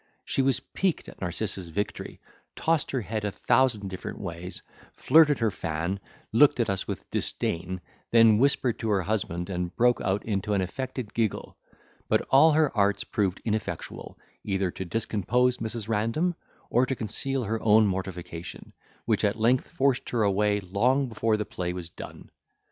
She was piqued at Narcissa's victory, tossed her head a thousand different ways, flirted her fan, looked at us with disdain, then whispered to her husband, and broke out into an affected giggle; but all her arts proved ineffectual, either to discompose Mrs. Random, or to conceal her own mortification, which at length forced her away long before the play was done.